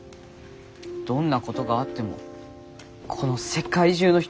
「どんなことがあってもこの世界中の人を恨むな」って。